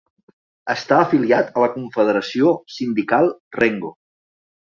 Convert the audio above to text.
Està afiliat a la Confederació Sindical Rengo.